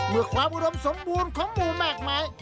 เมื่อความอุดมสมบูรณ์ของหมู่แมกใหม่